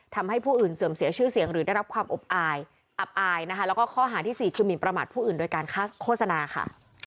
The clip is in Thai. ทำให้ผู้อื่นเสื่อมเสียชื่อเสียงหรือได้รับความอบอายอับอายนะคะแล้วก็ข้อหาที่สี่คือหมินประมาทผู้อื่นโดยการโฆษณาค่ะ